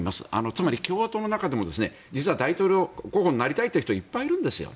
つまり共和党の中でも実は大統領候補になりたい人はいっぱいいるんですよ。